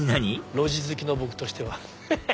路地好きの僕としてはヘヘヘ！